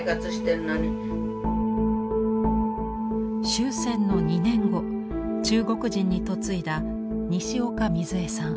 終戦の２年後中国人に嫁いだ西岡瑞江さん。